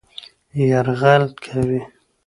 يرغل کوي